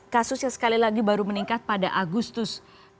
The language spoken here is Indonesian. kasusnya sekali lagi baru meningkat pada agustus dua ribu dua puluh dua